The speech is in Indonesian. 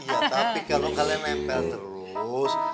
ya tapi kalau kalian nempel terus